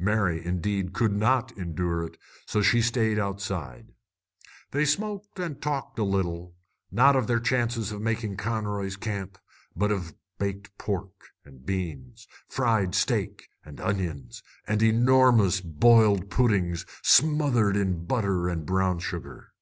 Mary, indeed, could not endure it, so she stayed outside. They smoked and they talked a little, not of their chances of making Conroy's Camp, but of baked pork and beans, fried steak and onions, and enormous boiled puddings smothered in butter and brown sugar.